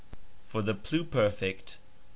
For the pluperfect ...